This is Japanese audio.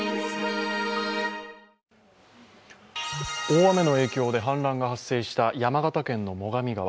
大雨の影響で氾濫が発生した山形県の最上川。